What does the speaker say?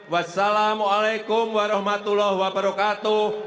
wassalamu'alaikum warahmatullahi wabarakatuh